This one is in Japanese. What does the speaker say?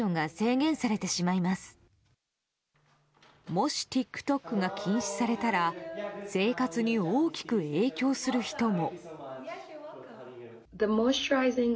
もし、ＴｉｋＴｏｋが禁止されたら生活に大きく影響する人も。